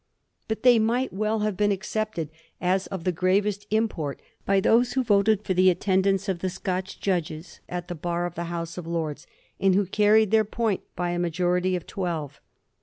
But they might well have been accepted as of the gravest import by those who voted for the attendance of the Scotch judges at the Bar of the House of Lords, and who carried their point by a majority of twelve.